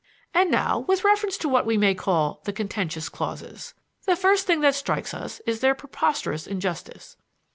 "And now with reference to what we may call the contentious clauses: the first thing that strikes us is their preposterous injustice.